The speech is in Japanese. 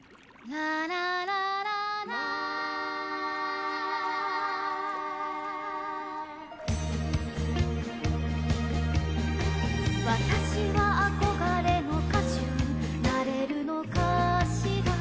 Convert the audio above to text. ラララララ「わたしはあこがれの歌手になれるのかしら」